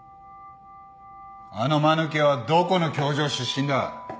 あの間抜けはどこの教場出身だ。